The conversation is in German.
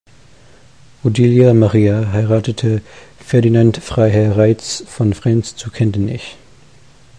Odilia Maria heiratete Ferdinand Freiherr Raitz von Frentz zu Kendenich.